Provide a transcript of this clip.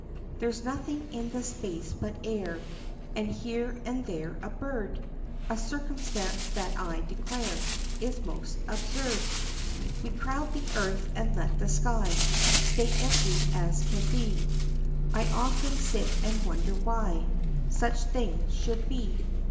There 's nothing in the space hut air , And here and there a bird , A circumstance that I declare Is most absurd. We crowd the earth and let the sky Stay empty as can he. I often sit and wonder why Such things should be.